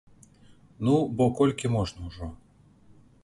Ну бо колькі можна ўжо.